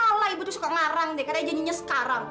alah ibu tuh suka ngarang deh kaya janjinya sekarang